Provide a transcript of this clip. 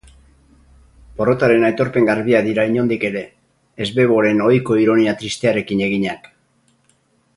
Porrotaren aitorpen garbiak dira inondik ere, Svevoren ohiko ironia tristearekin eginak.